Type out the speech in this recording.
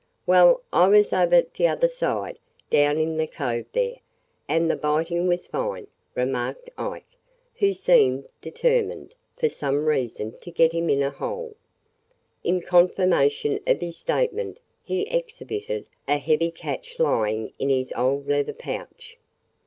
"Well, I was over t'other side, down in the cove there, and the bitin' was fine," remarked Ike, who seemed determined, for some reason, to get him in a hole. In confirmation of his statement he exhibited a heavy catch lying in his old leather pouch.